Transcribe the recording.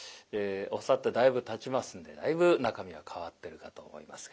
教わってだいぶたちますんでだいぶ中身は変わってるかと思いますが。